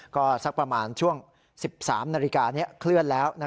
ก็สักประมาณช่วง๑๓นาฬิกานี้เคลื่อนแล้ว